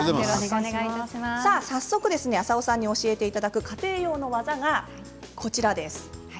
早速、浅尾さんに教えていただく家庭用の技がこちらです。